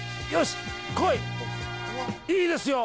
いいですよ。